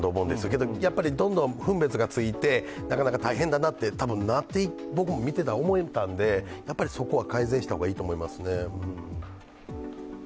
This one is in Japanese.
けどやっぱり、どんどん分別がついてなかなか大変だなって多分なって、僕も見ていてなったので、そこは改善した方がいいと思いますね。